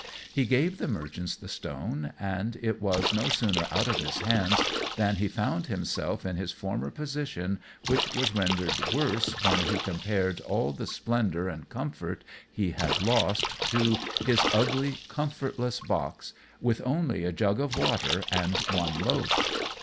He gave the merchants the stone; and it was no sooner out of his hands than he found himself in his former position, which was rendered worse when he compared all the splendour and comfort he had lost to his ugly comfortless box, with only a jug of water and one loaf.